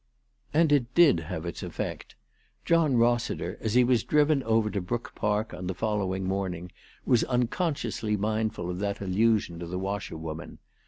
And it did have its effect. John Rossiter, as he was driven over to Brook Park on the following morning, was unconsciously mindful of that allusion to the ALICE DUGDALE. 339 washerwoman.